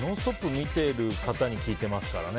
見ている方に聞いていますからね。